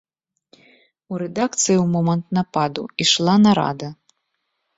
У рэдакцыі ў момант нападу ішла нарада.